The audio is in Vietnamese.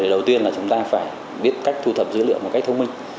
đầu tiên là chúng ta phải biết cách thu thập dữ liệu một cách thông minh